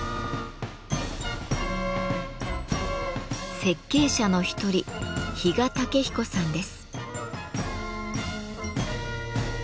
設計者の一人比嘉武彦さんです。